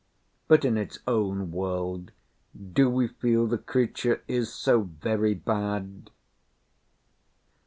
But in its own world do we feel the creature is so very bad?